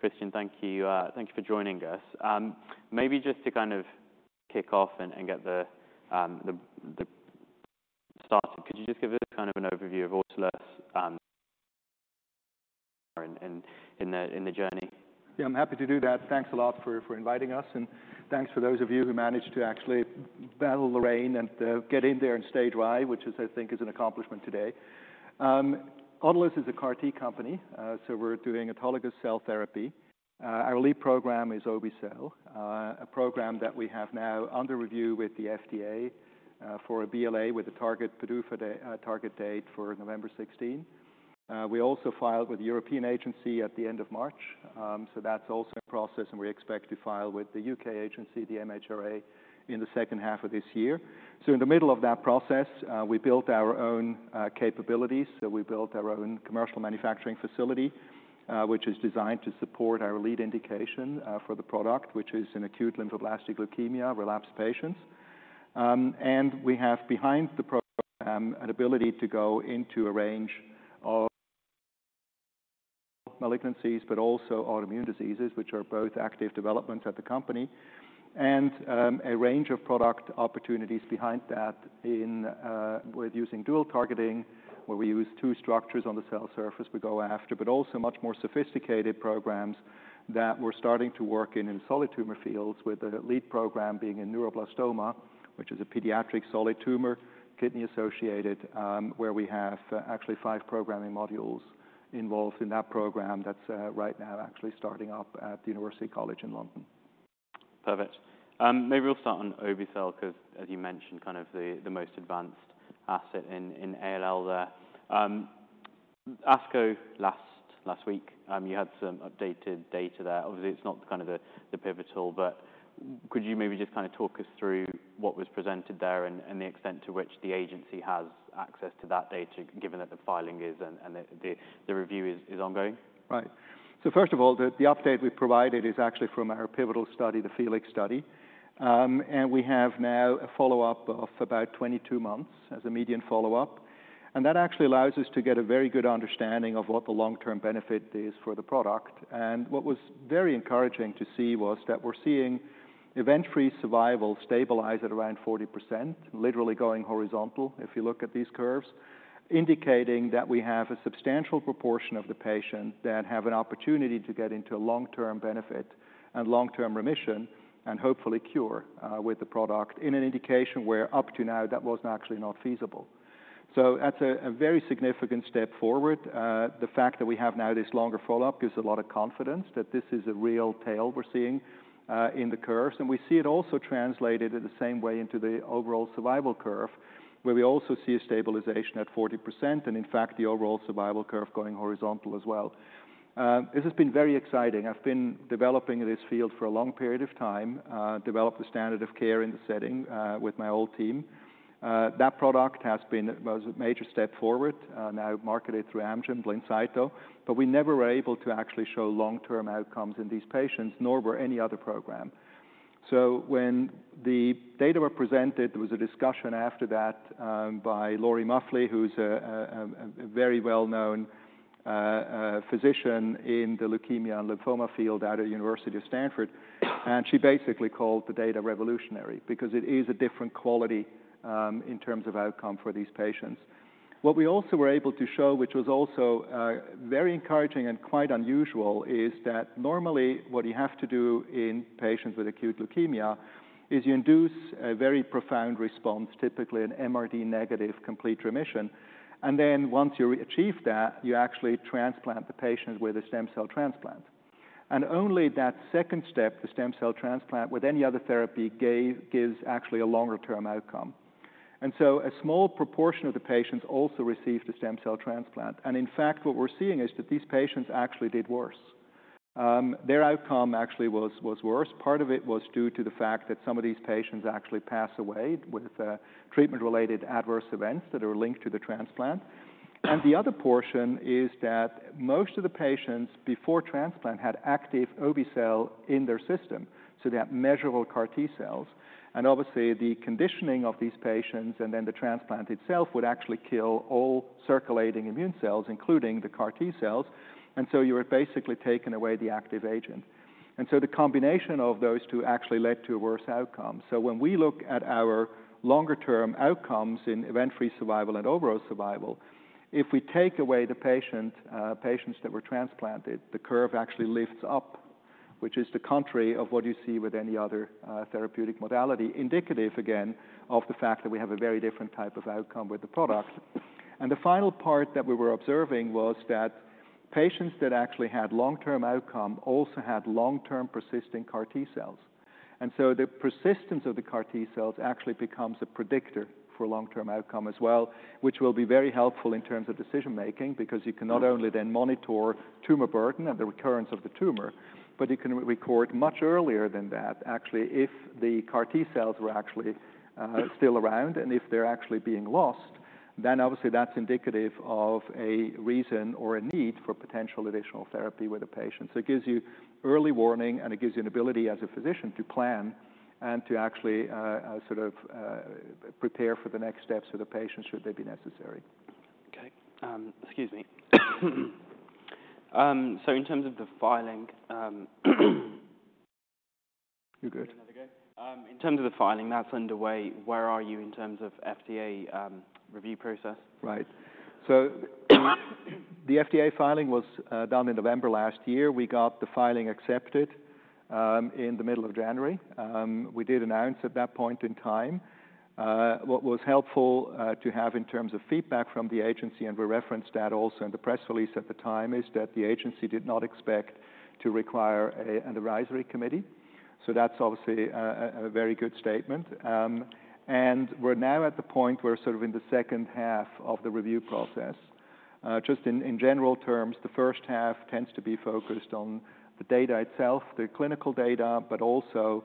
Christian, thank you, thank you for joining us. Maybe just to kind of kick off and get the start, could you just give us kind of an overview of Autolus, and in the journey? Yeah, I'm happy to do that. Thanks a lot for inviting us, and thanks for those of you who managed to actually battle the rain and get in there and stay dry, which I think is an accomplishment today. Autolus is a CAR T company, so we're doing autologous cell therapy. Our lead program is obe-cel, a program that we have now under review with the FDA for a BLA with a target PDUFA date for November 16. We also filed with the European agency at the end of March, so that's also in process, and we expect to file with the UK agency, the MHRA, in the H2 of this year. So in the middle of that process, we built our own capabilities. So we built our own commercial manufacturing facility, which is designed to support our lead indication, for the product, which is acute lymphoblastic leukemia, relapsed patients. And we have, behind the program, an ability to go into a range of malignancies, but also autoimmune diseases, which are both active development at the company, and, a range of product opportunities behind that in, with using dual targeting, where we use two structures on the cell surface we go after, but also much more sophisticated programs that we're starting to work in, in solid tumor fields, with the lead program being in neuroblastoma, which is a pediatric solid tumor, kidney-associated, where we have actually five programming modules involved in that program. That's, right now actually starting up at the University College London. Perfect. Maybe we'll start on obe-cel, 'cause as you mentioned, kind of the most advanced asset in ALL there. ASCO last week, you had some updated data there. Obviously, it's not kind of the pivotal, but could you maybe just kind of talk us through what was presented there and the extent to which the agency has access to that data, given that the filing is and the review is ongoing? Right. So first of all, the update we provided is actually from our pivotal study, the FELIX study. And we have now a follow-up of about 22 months as a median follow-up, and that actually allows us to get a very good understanding of what the long-term benefit is for the product. And what was very encouraging to see was that we're seeing event-free survival stabilize at around 40%, literally going horizontal, if you look at these curves, indicating that we have a substantial proportion of the patients that have an opportunity to get into a long-term benefit and long-term remission, and hopefully cure, with the product, in an indication where up to now, that was actually not feasible. So that's a very significant step forward. The fact that we have now this longer follow-up gives a lot of confidence that this is a real tail we're seeing in the curves. And we see it also translated in the same way into the overall survival curve, where we also see a stabilization at 40%, and in fact, the overall survival curve going horizontal as well. This has been very exciting. I've been developing this field for a long period of time, developed the standard of care in the setting with my old team. That product has been... was a major step forward, now marketed through Amgen Blincyto, but we never were able to actually show long-term outcomes in these patients, nor were any other program. So when the data were presented, there was a discussion after that by Lori Muffly, who's a very well-known physician in the leukemia and lymphoma field out of Stanford University, and she basically called the data revolutionary because it is a different quality in terms of outcome for these patients. What we also were able to show, which was also very encouraging and quite unusual, is that normally what you have to do in patients with acute leukemia is you induce a very profound response, typically an MRD negative complete remission, and then once you achieve that, you actually transplant the patient with a stem cell transplant. And only that second step, the stem cell transplant, with any other therapy, gives actually a longer-term outcome. A small proportion of the patients also received a stem cell transplant, and in fact, what we're seeing is that these patients actually did worse. Their outcome actually was worse. Part of it was due to the fact that some of these patients actually passed away with treatment-related adverse events that were linked to the transplant. And the other portion is that most of the patients, before transplant, had active obe-cel in their system, so they had measurable CAR T-cells. And obviously, the conditioning of these patients and then the transplant itself would actually kill all circulating immune cells, including the CAR T-cells, and so you were basically taking away the active agent. And so the combination of those two actually led to a worse outcome. So when we look at our longer-term outcomes in event-free survival and overall survival, if we take away the patient, patients that were transplanted, the curve actually lifts up, which is the contrary of what you see with any other, therapeutic modality, indicative, again, of the fact that we have a very different type of outcome with the product. And the final part that we were observing was that patients that actually had long-term outcome also had long-term persisting CAR T-cells. The persistence of the CAR T-cells actually becomes a predictor for long-term outcome as well, which will be very helpful in terms of decision-making, because you can not only then monitor tumor burden and the recurrence of the tumor, but you can record much earlier than that, actually, if the CAR T-cells were actually still around and if they're actually being lost, then obviously that's indicative of a reason or a need for potential additional therapy with a patient. It gives you early warning, and it gives you an ability as a physician to plan and to actually sort of prepare for the next steps for the patient, should they be necessary. Okay. Excuse me. So in terms of the filing, You're good. Another go? In terms of the filing that's underway, where are you in terms of FDA review process? Right. So the FDA filing was done in November last year. We got the filing accepted in the middle of January. We did announce at that point in time what was helpful to have in terms of feedback from the agency, and we referenced that also in the press release at the time, is that the agency did not expect to require an advisory committee. So that's obviously a very good statement. And we're now at the point we're sort of in the H2 of the review process. Just in general terms, the H1 tends to be focused on the data itself, the clinical data, but also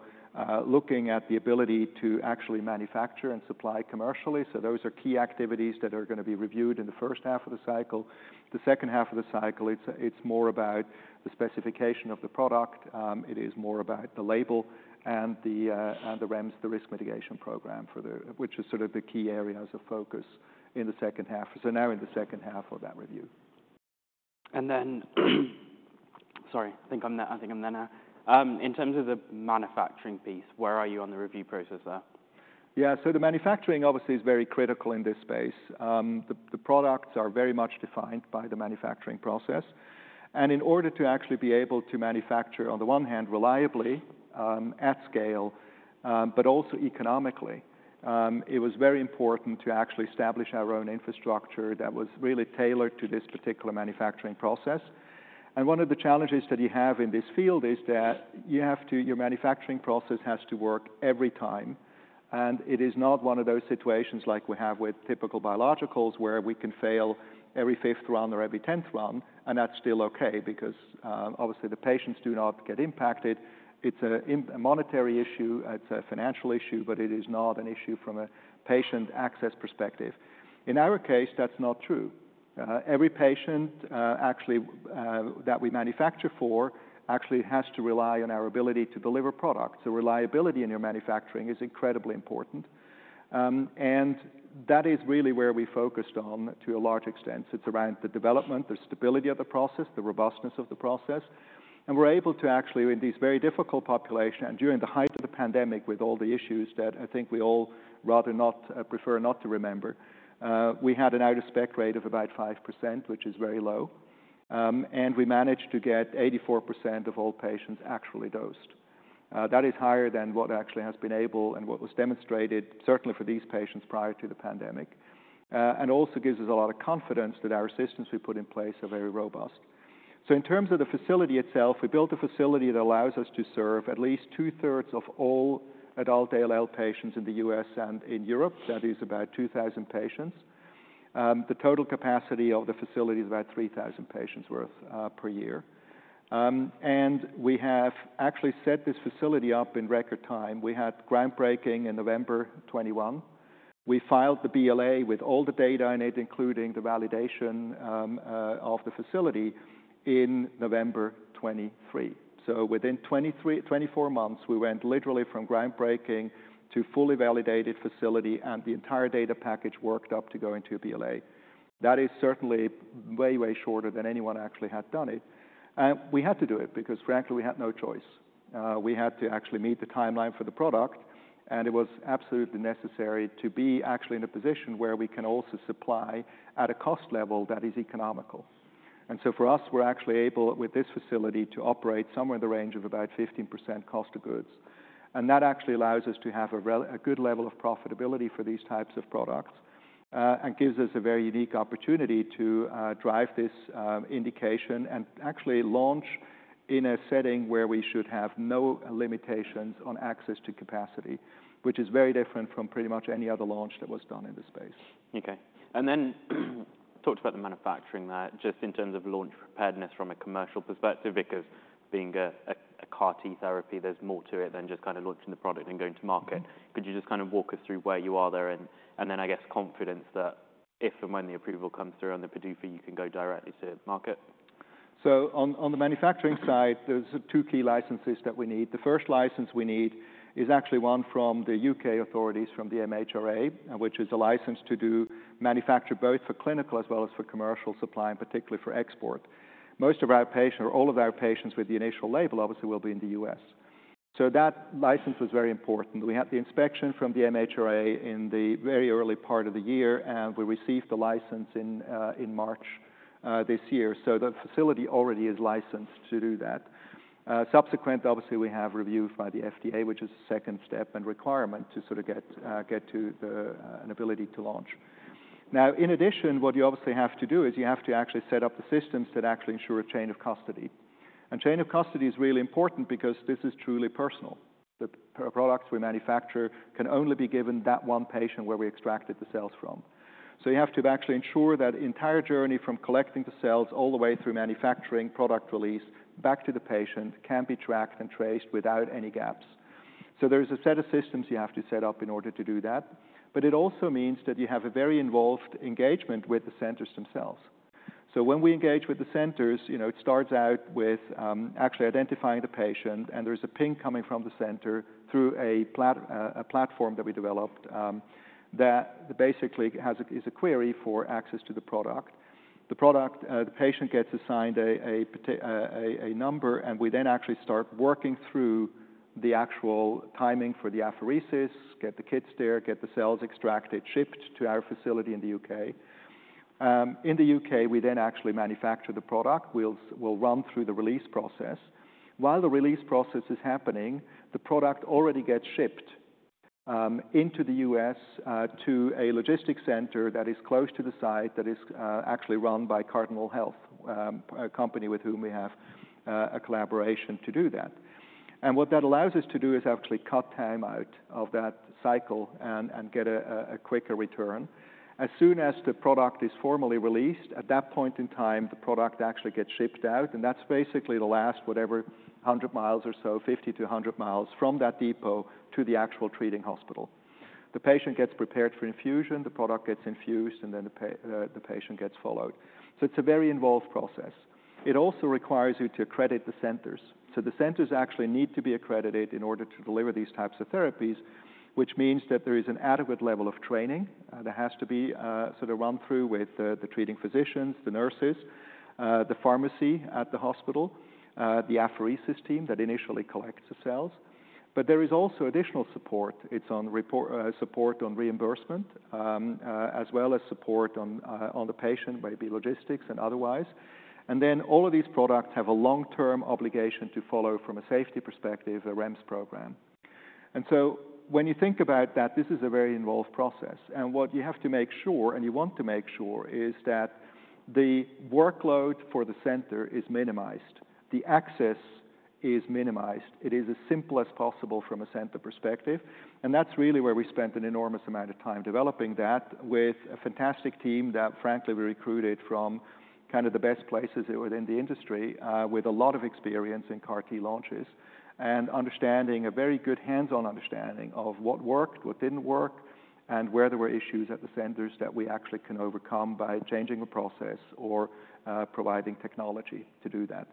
looking at the ability to actually manufacture and supply commercially. So those are key activities that are gonna be reviewed in the H1 of the cycle. The H2 of the cycle, it's, it's more about the specification of the product, it is more about the label and the, and the REMS, the risk mitigation program for the... Which is sort of the key areas of focus in the H2. So now in the H2 of that review. And then, sorry, I think I'm there, I think I'm there now. In terms of the manufacturing piece, where are you on the review process there? Yeah, so the manufacturing obviously is very critical in this space. The products are very much defined by the manufacturing process. In order to actually be able to manufacture, on the one hand, reliably, at scale, but also economically, it was very important to actually establish our own infrastructure that was really tailored to this particular manufacturing process. One of the challenges that you have in this field is that your manufacturing process has to work every time, and it is not one of those situations like we have with typical biologics, where we can fail every fifth run or every tenth run, and that's still okay because, obviously, the patients do not get impacted. It's a monetary issue, it's a financial issue, but it is not an issue from a patient access perspective. In our case, that's not true. Every patient, actually, that we manufacture for actually has to rely on our ability to deliver product. So reliability in your manufacturing is incredibly important. And that is really where we focused on to a large extent. It's around the development, the stability of the process, the robustness of the process. And we're able to actually, with these very difficult population and during the height of the pandemic, with all the issues that I think we all rather not, prefer not to remember, we had an out-of-spec rate of about 5%, which is very low. And we managed to get 84% of all patients actually dosed. That is higher than what actually has been able and what was demonstrated, certainly for these patients, prior to the pandemic. And also gives us a lot of confidence that our systems we put in place are very robust. So in terms of the facility itself, we built a facility that allows us to serve at least 2/3 of all adult ALL patients in the U.S. and in Europe. That is about 2,000 patients. The total capacity of the facility is about 3,000 patients worth, per year. And we have actually set this facility up in record time. We had groundbreaking in November 2021. We filed the BLA with all the data in it, including the validation, of the facility in November 2023. So within 23-24 months, we went literally from groundbreaking to fully validated facility, and the entire data package worked up to go into BLA. That is certainly way, way shorter than anyone actually had done it. We had to do it because frankly, we had no choice. We had to actually meet the timeline for the product, and it was absolutely necessary to be actually in a position where we can also supply at a cost level that is economical. For us, we're actually able, with this facility, to operate somewhere in the range of about 15% cost of goods. That actually allows us to have a good level of profitability for these types of products, and gives us a very unique opportunity to drive this indication and actually launch in a setting where we should have no limitations on access to capacity, which is very different from pretty much any other launch that was done in this space. Okay. And then talked about the manufacturing there, just in terms of launch preparedness from a commercial perspective, because being a CAR T therapy, there's more to it than just kind of launching the product and going to market. Could you just kind of walk us through where you are there? And then I guess confidence that if and when the approval comes through on the PDUFA, you can go directly to market. So, on the manufacturing side, there's two key licenses that we need. The first license we need is actually one from the U.K. authorities, from the MHRA, which is a license to do manufacture both for clinical as well as for commercial supply, and particularly for export. Most of our patient, or all of our patients with the initial label, obviously, will be in the U.S. So that license was very important. We had the inspection from the MHRA in the very early part of the year, and we received the license in March this year. So the facility already is licensed to do that. Subsequent, obviously, we have reviews by the FDA, which is the second step and requirement to sort of get to an ability to launch. Now, in addition, what you obviously have to do is you have to actually set up the systems that actually ensure a chain of custody. And chain of custody is really important because this is truly personal. The products we manufacture can only be given that one patient where we extracted the cells from. So you have to actually ensure that entire journey from collecting the cells all the way through manufacturing, product release, back to the patient, can be tracked and traced without any gaps. So there's a set of systems you have to set up in order to do that, but it also means that you have a very involved engagement with the centers themselves. So when we engage with the centers, you know, it starts out with actually identifying the patient, and there's a ping coming from the center through a platform that we developed that basically is a query for access to the product. The patient gets assigned a patient number, and we then actually start working through the actual timing for the apheresis, get the kids there, get the cells extracted, shipped to our facility in the U.K. In the U.K., we then actually manufacture the product. We'll run through the release process. While the release process is happening, the product already gets shipped into the U.S. to a logistics center that is close to the site, that is actually run by Cardinal Health, a company with whom we have a collaboration to do that. And what that allows us to do is actually cut time out of that cycle and get a quicker return. As soon as the product is formally released, at that point in time, the product actually gets shipped out, and that's basically the last whatever 100 miles or so, 50miles-100 miles from that depot to the actual treating hospital. The patient gets prepared for infusion, the product gets infused, and then the patient gets followed. So it's a very involved process. It also requires you to accredit the centers. So the centers actually need to be accredited in order to deliver these types of therapies, which means that there is an adequate level of training. There has to be sort of run through with the treating physicians, the nurses, the pharmacy at the hospital, the apheresis team that initially collects the cells. But there is also additional support: support on reimbursement, as well as support on the patient, whether it be logistics and otherwise. And then all of these products have a long-term obligation to follow from a safety perspective, a REMS program. And so when you think about that, this is a very involved process. And what you have to make sure, and you want to make sure, is that the workload for the center is minimized, the access is minimized. It is as simple as possible from a center perspective, and that's really where we spent an enormous amount of time developing that with a fantastic team that, frankly, we recruited from kind of the best places within the industry, with a lot of experience in CAR T launches and understanding, a very good hands-on understanding of what worked, what didn't work, and where there were issues at the centers that we actually can overcome by changing a process or, providing technology to do that.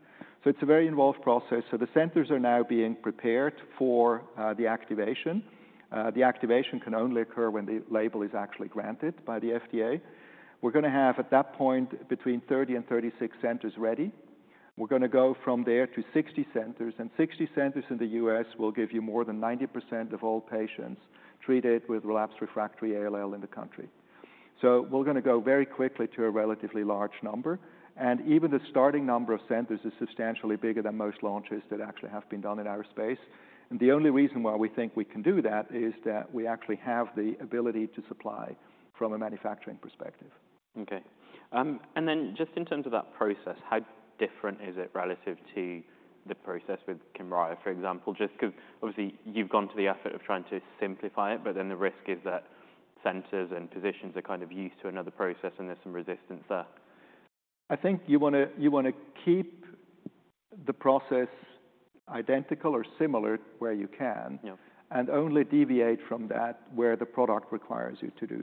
So it's a very involved process. So the centers are now being prepared for the activation. The activation can only occur when the label is actually granted by the FDA. We're going to have, at that point, between 30 and 36 centers ready. We're going to go from there to 60 centers, and 60 centers in the U.S. will give you more than 90% of all patients treated with relapsed refractory ALL in the country. So we're going to go very quickly to a relatively large number, and even the starting number of centers is substantially bigger than most launches that actually have been done in our space. And the only reason why we think we can do that is that we actually have the ability to supply from a manufacturing perspective. Okay. And then just in terms of that process, how different is it relative to the process with Kymriah, for example? Just 'cause obviously you've gone to the effort of trying to simplify it, but then the risk is that centers and physicians are kind of used to another process and there's some resistance there. I think you want to, you want to keep the process identical or similar where you can. Yeah And only deviate from that where the product requires you to do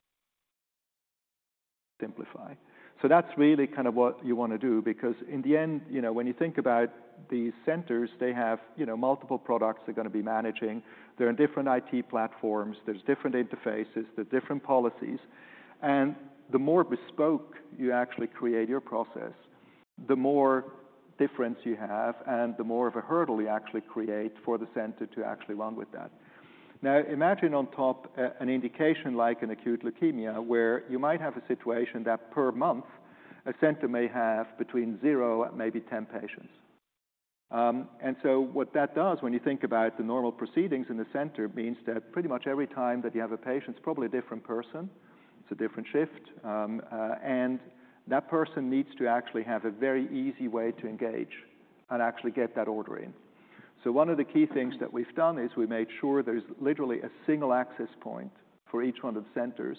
simplify. So that's really kind of what you want to do, because in the end, you know, when you think about the centers, they have, you know, multiple products they're going to be managing. They're in different IT platforms, there's different interfaces, the different policies. And the more bespoke you actually create your process, the more difference you have and the more of a hurdle you actually create for the center to actually run with that. Now, imagine on top a, an indication like an acute leukemia, where you might have a situation that per month, a center may have between 0 and maybe 10 patients. And so what that does, when you think about the normal proceedings in the center, means that pretty much every time that you have a patient, it's probably a different person, it's a different shift, and that person needs to actually have a very easy way to engage and actually get that order in. So one of the key things that we've done is we made sure there's literally a single access point for each one of the centers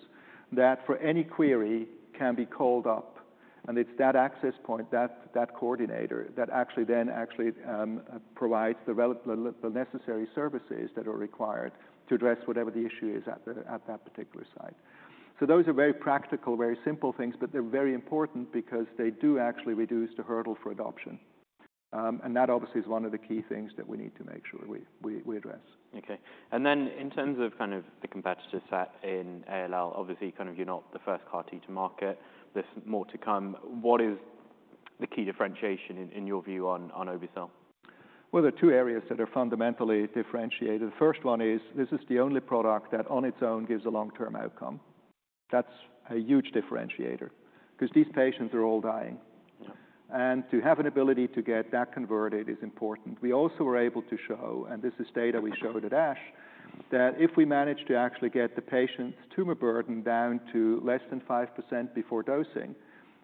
that, for any query, can be called up. And it's that access point, that coordinator, that actually then actually provides the necessary services that are required to address whatever the issue is at that particular site. So those are very practical, very simple things, but they're very important because they do actually reduce the hurdle for adoption. that obviously is one of the key things that we need to make sure we address. Okay. And then in terms of kind of the competitor set in ALL, obviously, kind of you're not the first CAR T to market. There's more to come. What is the key differentiation in your view on obe-cel? Well, there are two areas that are fundamentally differentiated. The first one is this is the only product that on its own gives a long-term outcome. That's a huge differentiator 'cause these patients are all dying. Yeah. And to have an ability to get that converted is important. We also were able to show, and this is data we showed at ASH, that if we manage to actually get the patient's tumor burden down to less than 5% before dosing,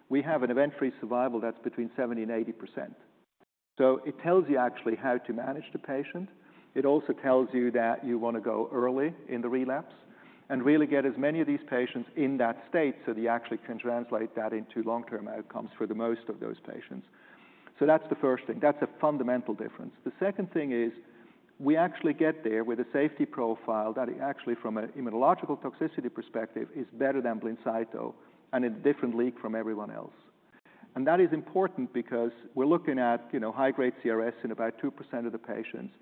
we have an event-free survival that's between 70% and 80%. So it tells you actually how to manage the patient. It also tells you that you want to go early in the relapse and really get as many of these patients in that state, so you actually can translate that into long-term outcomes for the most of those patients. So that's the first thing. That's a fundamental difference. The second thing is, we actually get there with a safety profile that actually, from a immunological toxicity perspective, is better than BLINCYTO and a different league from everyone else. And that is important because we're looking at, you know, high-grade CRS in about 2% of the patients.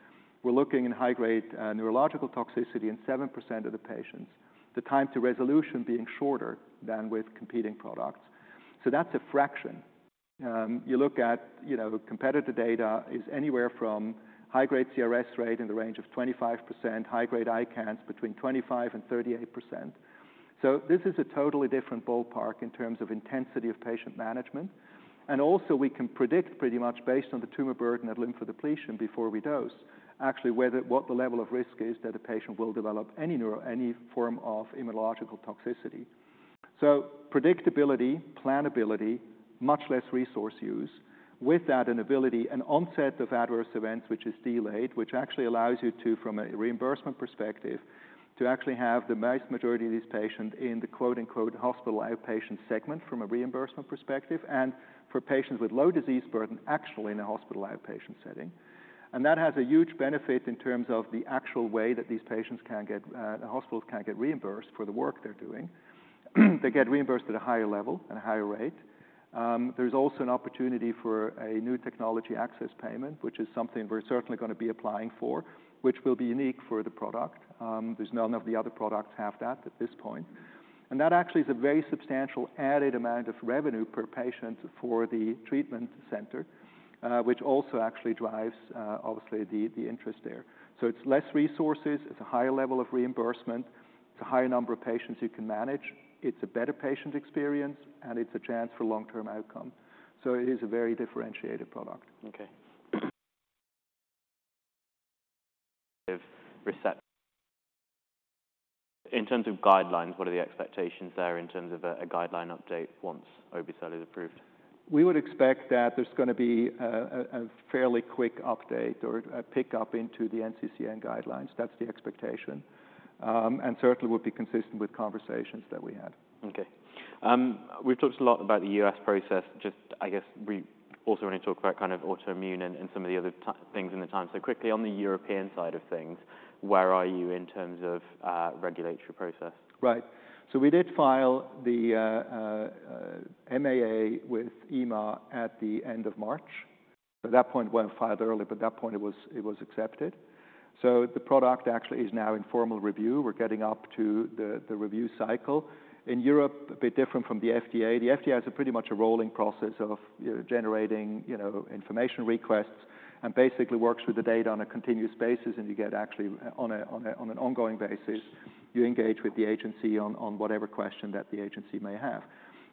We're looking at high-grade neurological toxicity in 7% of the patients, the time to resolution being shorter than with competing products. So you look at, you know, competitor data is anywhere from high-grade CRS rate in the range of 25%, high-grade ICANS between 25% and 38%. So this is a totally different ballpark in terms of intensity of patient management. And also we can predict pretty much based on the tumor burden at lymphodepletion before we dose, actually whether what the level of risk is that a patient will develop any neuro, any form of immunological toxicity. So predictability, plannability, much less resource use. With that inability, an onset of adverse events, which is delayed, which actually allows you to, from a reimbursement perspective, to actually have the vast majority of these patients in the quote-unquote, hospital outpatient segment from a reimbursement perspective, and for patients with low disease burden, actually in a hospital outpatient setting. That has a huge benefit in terms of the actual way that these patients can get, the hospitals can get reimbursed for the work they're doing. They get reimbursed at a higher level and a higher rate. There's also an opportunity for a new technology access payment, which is something we're certainly gonna be applying for, which will be unique for the product. There's none of the other products have that at this point. That actually is a very substantial added amount of revenue per patient for the treatment center, which also actually drives obviously the interest there. So it's less resources, it's a higher level of reimbursement, it's a higher number of patients you can manage, it's a better patient experience, and it's a chance for long-term outcome. So it is a very differentiated product. Okay. In terms of guidelines, what are the expectations there in terms of a guideline update once obe-cel is approved? We would expect that there's gonna be a fairly quick update or a pick-up into the NCCN guidelines. That's the expectation. And certainly would be consistent with conversations that we had. Okay. We've talked a lot about the US process. Just I guess we also want to talk about kind of autoimmune and some of the other things in the time. So quickly on the European side of things, where are you in terms of regulatory process? Right. So we did file the MAA with EMA at the end of March. At that point, well, it filed early, but at that point, it was accepted. So the product actually is now in formal review. We're getting up to the review cycle. In Europe, a bit different from the FDA. The FDA has pretty much a rolling process of, you know, generating, you know, information requests, and basically works with the data on a continuous basis, and you get actually on an ongoing basis, you engage with the agency on whatever question that the agency may have.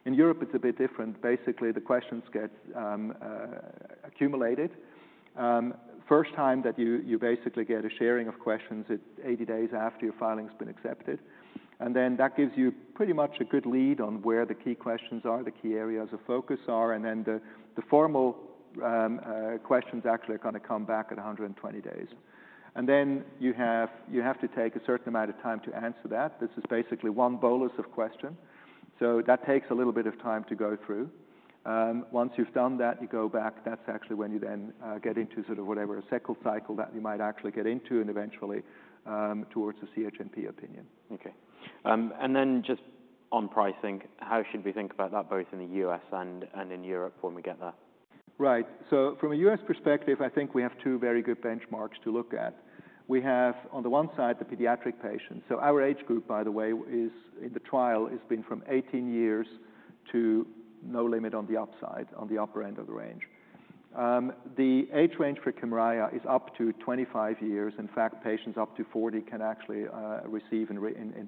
In Europe, it's a bit different. Basically, the questions get accumulated. First time that you basically get a sharing of questions is 80 days after your filing's been accepted, and then that gives you pretty much a good lead on where the key questions are, the key areas of focus are, and then the formal questions actually are gonna come back at 120 days. And then you have to take a certain amount of time to answer that. This is basically one bolus of question, so that takes a little bit of time to go through. Once you've done that, you go back, that's actually when you then get into sort of whatever cycle that you might actually get into and eventually towards the CHMP opinion. Okay. And then just on pricing, how should we think about that, both in the US and in Europe when we get there? Right. From a US perspective, I think we have two very good benchmarks to look at. We have, on the one side, the pediatric patients. Our age group, by the way, is, in the trial, has been from 18 years to no limit on the upside, on the upper end of the range. The age range for Kymriah is up to 25 years. In fact, patients up to 40 can actually receive in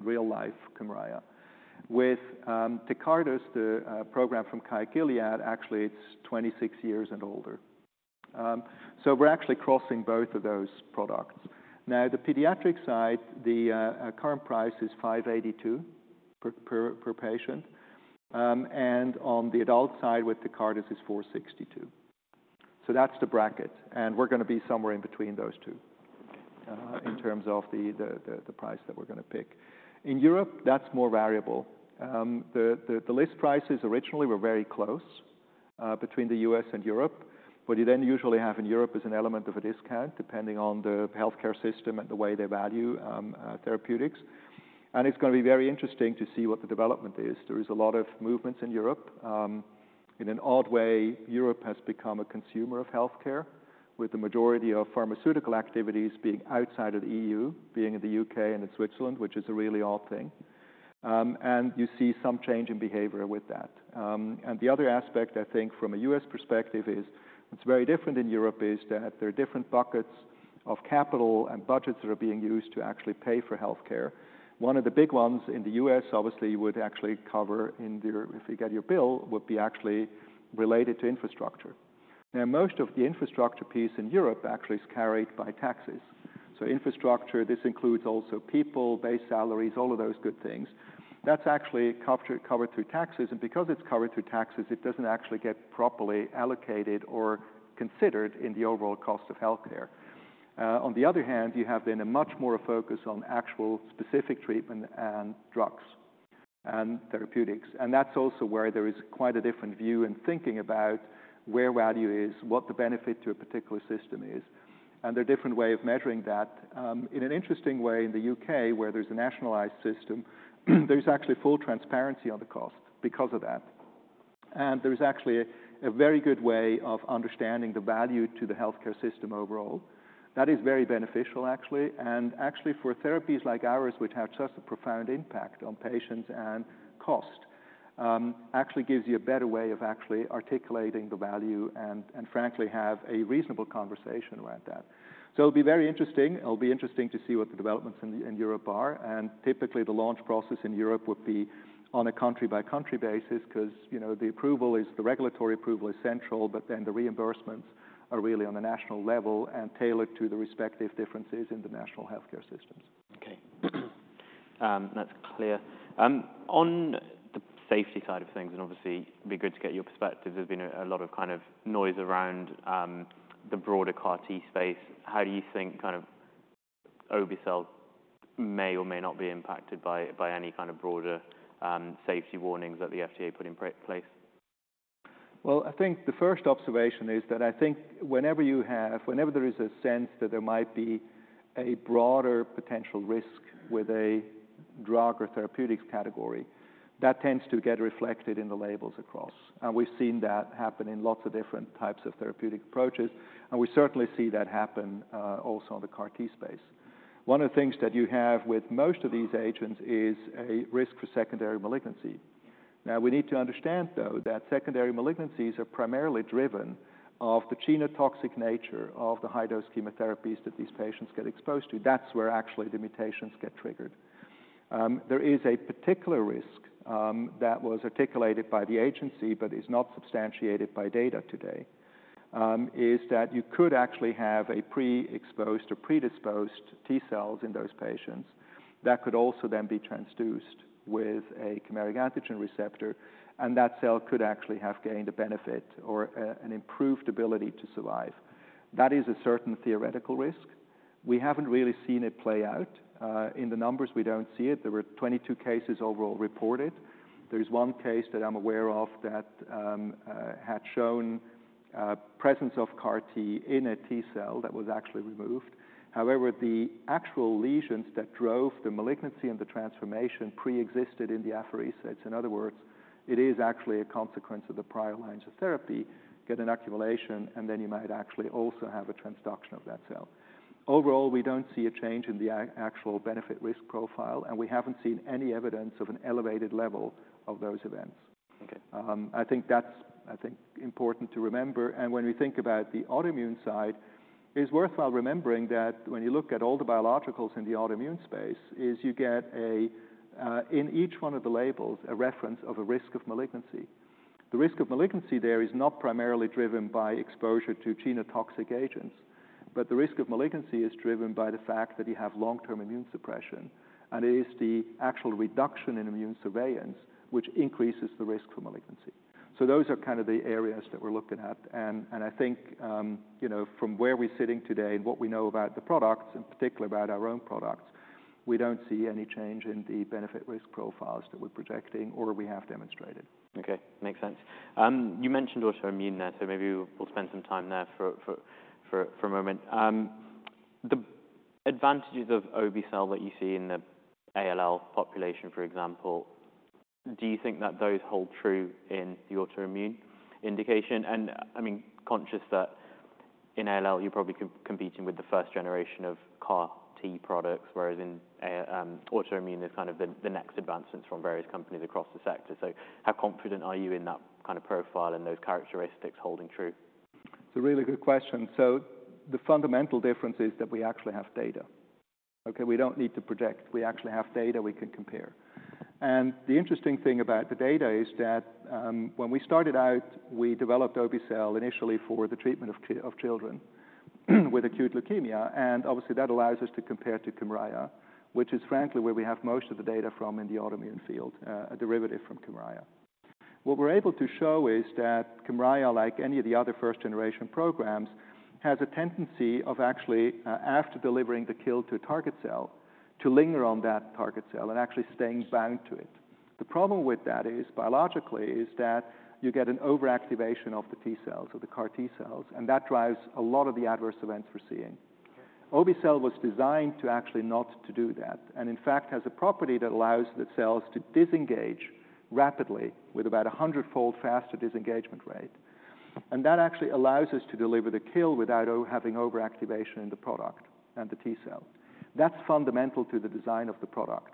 real life, Kymriah. With Tecartus, the program from Kite Gilead, actually, it's 26 years and older. So we're actually crossing both of those products. Now, the pediatric side, the current price is $582 per patient. And on the adult side with Tecartus, is $462. So that's the bracket, and we're gonna be somewhere in between those two, in terms of the price that we're gonna pick. In Europe, that's more variable. The list prices originally were very close, between the U.S. and Europe. What you then usually have in Europe is an element of a discount, depending on the healthcare system and the way they value therapeutics. And it's gonna be very interesting to see what the development is. There is a lot of movements in Europe. In an odd way, Europe has become a consumer of healthcare, with the majority of pharmaceutical activities being outside of the E.U., being in the U.K. and in Switzerland, which is a really odd thing. And you see some change in behavior with that. And the other aspect, I think, from a U.S perspective is, what's very different in Europe, is that there are different buckets of capital and budgets that are being used to actually pay for healthcare. One of the big ones in the U.S, obviously, would actually cover in your... if you get your bill, would be actually related to infrastructure. Now, most of the infrastructure piece in Europe actually is carried by taxes. So infrastructure, this includes also people, base salaries, all of those good things. That's actually covered through taxes, and because it's covered through taxes, it doesn't actually get properly allocated or considered in the overall cost of healthcare. On the other hand, you have then a much more a focus on actual specific treatment and drugs and therapeutics, and that's also where there is quite a different view in thinking about where value is, what the benefit to a particular system is, and a different way of measuring that. In an interesting way, in the U.K, where there's a nationalized system, there's actually full transparency on the cost because of that. And there's actually a very good way of understanding the value to the healthcare system overall. That is very beneficial, actually, and actually for therapies like ours, which have such a profound impact on patients, actually gives you a better way of actually articulating the value and, and frankly, have a reasonable conversation around that. So it'll be very interesting. It'll be interesting to see what the developments in Europe are, and typically, the launch process in Europe would be on a country-by-country basis, 'cause, you know, the regulatory approval is central, but then the reimbursements are really on a national level and tailored to the respective differences in the national healthcare systems. Okay. That's clear. On the safety side of things, and obviously, it'd be good to get your perspective, there's been a lot of kind of noise around the broader CAR T space. How do you think kind of obe-cel may or may not be impacted by any kind of broader safety warnings that the FDA put in place? Well, I think the first observation is that I think whenever you have... whenever there is a sense that there might be a broader potential risk with a drug or therapeutics category, that tends to get reflected in the labels across. And we've seen that happen in lots of different types of therapeutic approaches, and we certainly see that happen also in the CAR T space. One of the things that you have with most of these agents is a risk for secondary malignancy. Now, we need to understand, though, that secondary malignancies are primarily driven by the genotoxic nature of the high-dose chemotherapies that these patients get exposed to. That's where actually the mutations get triggered. There is a particular risk that was articulated by the agency but is not substantiated by data today, is that you could actually have a pre-exposed or predisposed T cells in those patients that could also then be transduced with a chimeric antigen receptor, and that cell could actually have gained a benefit or an improved ability to survive. That is a certain theoretical risk. We haven't really seen it play out. In the numbers, we don't see it. There were 22 cases overall reported. There is one case that I'm aware of that had shown presence of CAR T in a T cell that was actually removed. However, the actual lesions that drove the malignancy and the transformation preexisted in the apheresis. In other words, it is actually a consequence of the prior lines of therapy, get an accumulation, and then you might actually also have a transduction of that cell. Overall, we don't see a change in the actual benefit risk profile, and we haven't seen any evidence of an elevated level of those events. Okay. I think that's, I think, important to remember, and when we think about the autoimmune side, it's worthwhile remembering that when you look at all the biologics in the autoimmune space, you get a, in each one of the labels, a reference of a risk of malignancy. The risk of malignancy there is not primarily driven by exposure to genotoxic agents, but the risk of malignancy is driven by the fact that you have long-term immune suppression, and it is the actual reduction in immune surveillance which increases the risk for malignancy. So those are kind of the areas that we're looking at, and, and I think, you know, from where we're sitting today and what we know about the products, in particular about our own products, we don't see any change in the benefit risk profiles that we're projecting or we have demonstrated. Okay, makes sense. You mentioned autoimmune there, so maybe we'll spend some time there for a moment. The advantages of obe-cel that you see in the ALL population, for example, do you think that those hold true in the autoimmune indication? And, I mean, conscious that in ALL, you're probably competing with the first generation of CAR T products, whereas in autoimmune, there's kind of the next advancements from various companies across the sector. So how confident are you in that kind of profile and those characteristics holding true? It's a really good question. So the fundamental difference is that we actually have data. Okay? We don't need to project. We actually have data we can compare. And the interesting thing about the data is that, when we started out, we developed obe-cel initially for the treatment of children with acute leukemia, and obviously, that allows us to compare to Kymriah, which is frankly, where we have most of the data from in the autoimmune field, a derivative from Kymriah. What we're able to show is that Kymriah, like any of the other first-generation programs, has a tendency of actually, after delivering the kill to a target cell, to linger on that target cell and actually staying bound to it. The problem with that is, biologically, that you get an overactivation of the T cells or the CAR T cells, and that drives a lot of the adverse events we're seeing. Okay. Obe-cel was designed to actually not to do that, and in fact, has a property that allows the cells to disengage rapidly with about a 100-fold faster disengagement rate. And that actually allows us to deliver the kill without having overactivation in the product and the T cell. That's fundamental to the design of the product.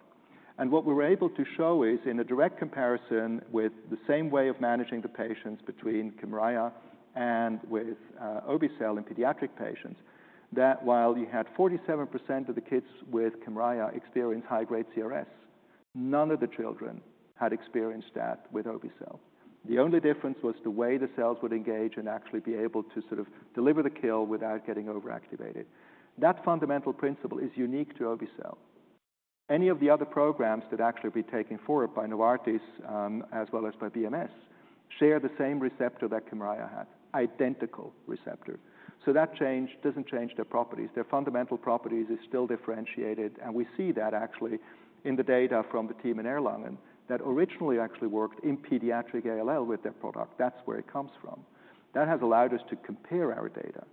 And what we were able to show is, in a direct comparison with the same way of managing the patients between Kymriah and with obe-cel in pediatric patients, that while you had 47% of the kids with Kymriah experience high-grade CRS, none of the children had experienced that with obe-cel. The only difference was the way the cells would engage and actually be able to sort of deliver the kill without getting overactivated. That fundamental principle is unique to obe-cel. Any of the other programs that actually be taken forward by Novartis, as well as by BMS, share the same receptor that Kymriah had, identical receptor. So that change doesn't change their properties. Their fundamental properties is still differentiated, and we see that actually in the data from the team in Erlangen, that originally actually worked in pediatric ALL with their product. That's where it comes from. That has allowed us to compare our data,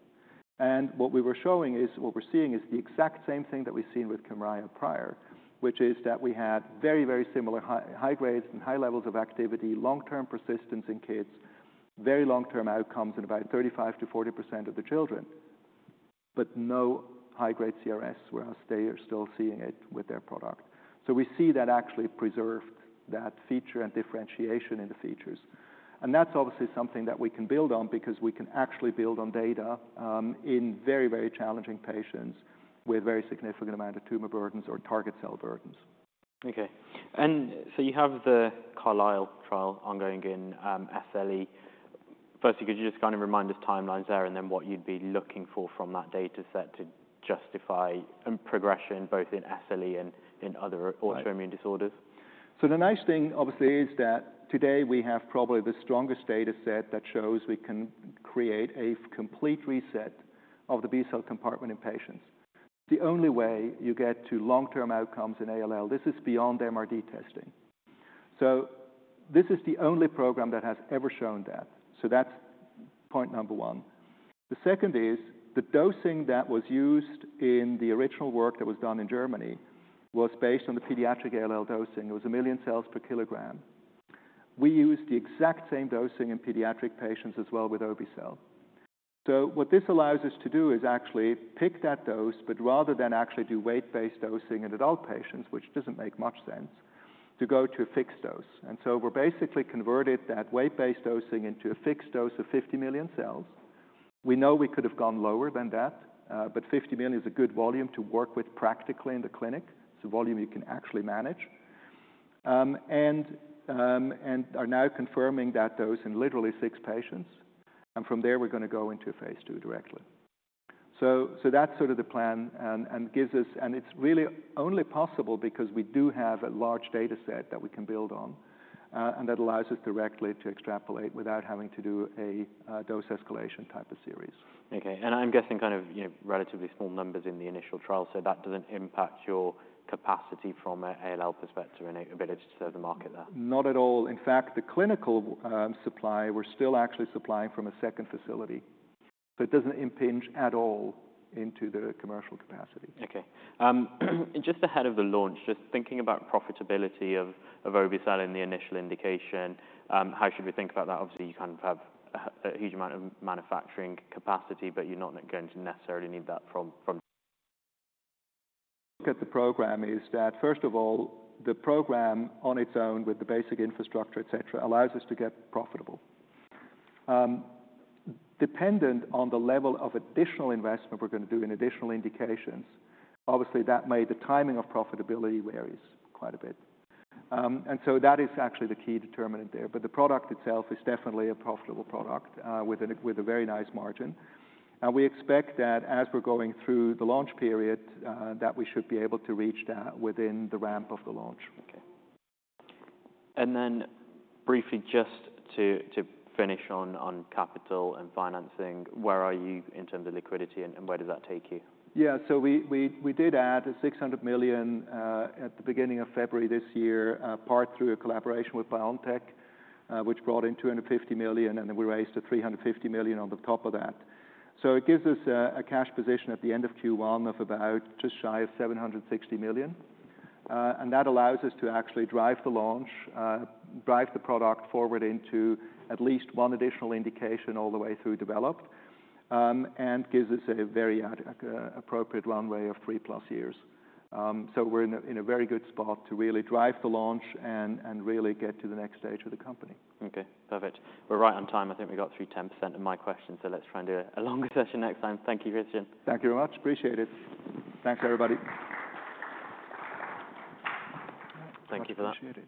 and what we were showing is... what we're seeing is the exact same thing that we've seen with Kymriah prior, which is that we had very, very similar high grades and high levels of activity, long-term persistence in kids, very long-term outcomes in about 35%-40% of the children... but no high-grade CRS, whereas they are still seeing it with their product. We see that actually preserved that feature and differentiation in the features. That's obviously something that we can build on because we can actually build on data in very, very challenging patients with very significant amount of tumor burdens or target cell burdens. Okay. You have the CARLISLE trial ongoing in SLE. First, could you just kind of remind us timelines there, and then what you'd be looking for from that data set to justify progression, both in SLE and in other- Right autoimmune disorders? So the nice thing, obviously, is that today we have probably the strongest data set that shows we can create a complete reset of the B cell compartment in patients. The only way you get to long-term outcomes in ALL, this is beyond MRD testing. So this is the only program that has ever shown that. So that's point number one. The second is, the dosing that was used in the original work that was done in Germany was based on the pediatric ALL dosing. It was 1 million cells per kg. We used the exact same dosing in pediatric patients as well with obe-cel. So what this allows us to do is actually pick that dose, but rather than actually do weight-based dosing in adult patients, which doesn't make much sense, to go to a fixed dose. And so we're basically converted that weight-based dosing into a fixed dose of 50 million cells. We know we could have gone lower than that, but 50 million is a good volume to work with practically in the clinic. It's a volume you can actually manage. And are now confirming that dose in literally 6 patients, and from there, we're gonna go into a phase II directly. So that's sort of the plan and gives us.... And it's really only possible because we do have a large data set that we can build on, and that allows us directly to extrapolate without having to do a dose escalation type of series. Okay. I'm guessing kind of, you know, relatively small numbers in the initial trial, so that doesn't impact your capacity from a ALL perspective and ability to serve the market there? Not at all. In fact, the clinical supply, we're still actually supplying from a second facility, so it doesn't impinge at all into the commercial capacity. Okay. Just ahead of the launch, just thinking about profitability of obe-cel in the initial indication, how should we think about that? Obviously, you kind of have a huge amount of manufacturing capacity, but you're not going to necessarily need that from, from- Look at the program is that, first of all, the program on its own, with the basic infrastructure, et cetera, allows us to get profitable. Dependent on the level of additional investment we're gonna do in additional indications, obviously, that may the timing of profitability varies quite a bit. And so that is actually the key determinant there. But the product itself is definitely a profitable product, with a very nice margin, and we expect that as we're going through the launch period, that we should be able to reach that within the ramp of the launch. Okay. And then briefly, just to finish on capital and financing, where are you in terms of liquidity and where does that take you? Yeah. So we did add $600 million at the beginning of February this year, part through a collaboration with BioNTech, which brought in $250 million, and then we raised $350 million on top of that. So it gives us a cash position at the end of Q1 of about just shy of $760 million. And that allows us to actually drive the launch, drive the product forward into at least one additional indication all the way through developed, and gives us a very appropriate runway of 3+ years. So we're in a very good spot to really drive the launch and really get to the next stage of the company. Okay, perfect. We're right on time. I think we got through 10% of my questions, so let's try and do a longer session next time. Thank you, Christian. Thank you very much. Appreciate it. Thanks, everybody. Thank you for that. Appreciate it.